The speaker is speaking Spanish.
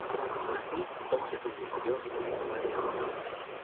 Así, Tom se convirtió en un hijo más de la familia.